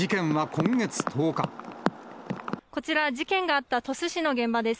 こちら、事件があった鳥栖市の現場です。